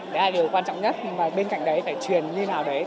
đó là điều quan trọng nhất mà bên cạnh đấy phải truyền như nào đấy